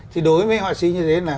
thì đối với họa sĩ như thế là